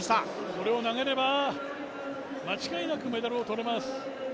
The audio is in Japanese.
それを投げれば間違いなくメダルは取れます。